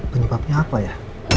penyebabnya apa ya